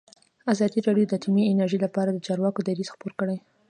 ازادي راډیو د اټومي انرژي لپاره د چارواکو دریځ خپور کړی.